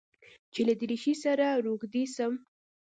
چې له دريشۍ سره روږدى سم.